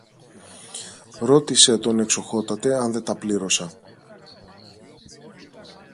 Ρώτησε τον, Εξοχότατε, αν δεν τα πλήρωσα!